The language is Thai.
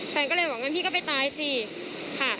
แฟนก็เลยบอกงั้นพี่ก็ไปตายสิค่ะ